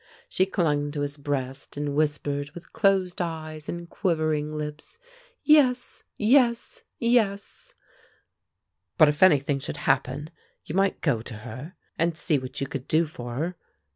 She clung to his breast, and whispered, with closed eyes and quivering lips, "Yes, yes, yes!" "But if anything should happen, you might go to her, and see what you could do for her.